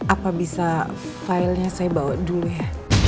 apa bisa filenya saya bawa dulu ya